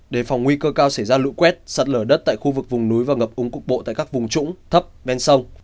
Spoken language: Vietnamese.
đề phòng nguy cơ cao xảy ra lũ quét sạt lở đất tại khu vực vùng núi và ngập úng cục bộ tại các vùng trũng thấp ven sông